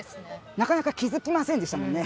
なかなか気づきませんでしたもんね